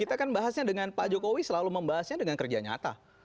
kita kan bahasnya dengan pak jokowi selalu membahasnya dengan kerja nyata